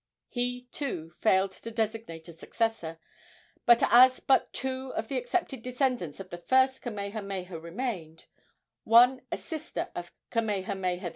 He, too, failed to designate a successor, and as but two of the accepted descendants of the first Kamehameha remained one a sister of Kamehameha V.